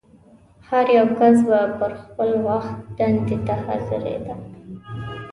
هر یو کس به پر خپل وخت دندې ته حاضرېده.